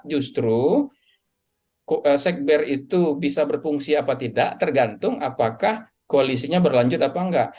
justru sekber itu bisa berfungsi apa tidak tergantung apakah koalisinya berlanjut apa enggak